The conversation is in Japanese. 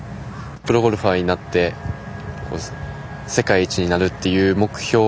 プロゴルファーになって世界一になるという目標